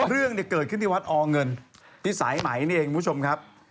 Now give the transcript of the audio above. เรื่องเนี่ยเกิดขึ้นที่วัดอเงินที่สายไหมนี่เองคุณผู้ชมครับ